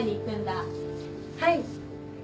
はい